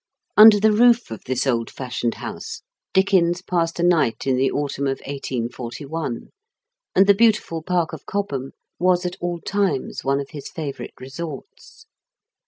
Under the roof of this old fashioned house Dickens passed a night in the autumn of 1841, and the beautiful park of Cobham was at all times one of his favourite resorts.